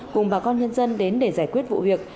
cùng bà con nhân dân đến để giải quyết vụ việc